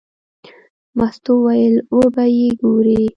مستو وویل: وبه یې ګورې.